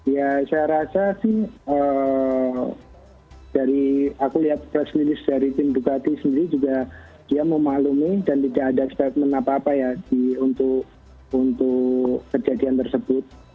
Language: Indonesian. ya saya rasa sih dari aku lihat press release dari tim dukati sendiri juga dia memaklumi dan tidak ada statement apa apa ya untuk kejadian tersebut